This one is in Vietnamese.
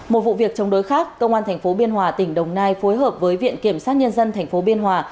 một vụ việc chống đối khác công an tp biên hòa tỉnh đồng nai phối hợp với viện kiểm sát nhân dân tp biên hòa